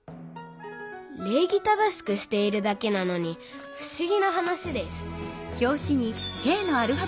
礼儀正しくしているだけなのにふしぎな話ですそうだ！